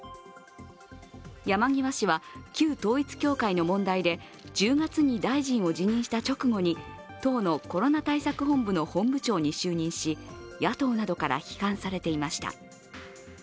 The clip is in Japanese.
山際氏は、旧統一教会の問題で１０月に大臣を辞任した直後に党のコロナ対策本部の本部長に就任し、野党などから批判されていました。